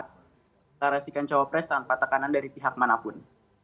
kita resikan cawapres tanpa tekanan dari pihak manapun